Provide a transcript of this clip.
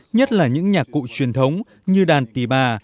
nhất là những nhạc cụ truyền thống như đàn tì bà